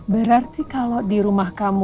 berarti kalau di rumah kamu